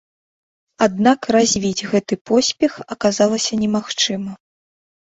Аднак развіць гэты поспех аказалася немагчыма.